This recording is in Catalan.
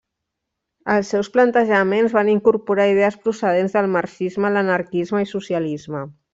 Els seus plantejaments van incorporar idees procedents del marxisme, l'anarquisme i socialisme.